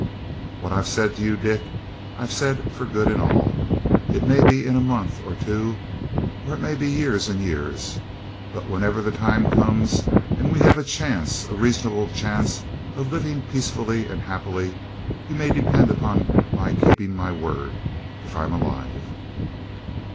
'What I've said to you, Dick, I've said for good and all. It may be in a month or two, or it may be years and years. But whenever the time comes, and we have a chance, a reasonable chance, of living peaceably and happily, you may depend upon my keeping my word if I'm alive.'